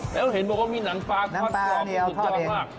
แล้วเห็นบอกว่ามีหนังปลาทอดกรอบสุดยอดมาก